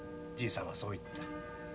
じいさんはそう言ってる。